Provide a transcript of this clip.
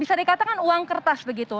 bisa dikatakan uang kertas begitu